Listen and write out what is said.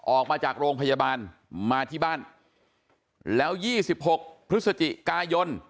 ออกมาจากโรงพยาบาลมาที่บ้านแล้ว๒๖พฤศจิกายน